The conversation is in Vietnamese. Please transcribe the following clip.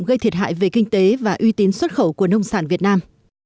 gây thiệt hại về kinh tế và uy tín xuất khẩu của nông sản việt nam